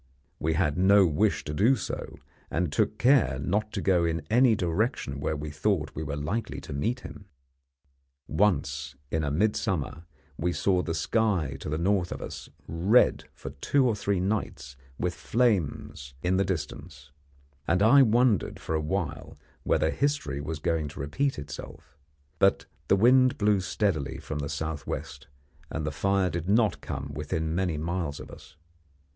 We had no wish to do so, and took care not to go in any direction where we thought we were likely to meet him. Once in midsummer we saw the sky to the north of us red for two or three nights with flames in the distance, and I wondered for a while whether history was going to repeat itself; but the wind blew steadily from the south west, and the fire did not come within many miles of us.